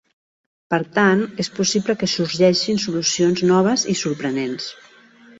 Per tant, és possible que sorgeixin solucions noves i sorprenents.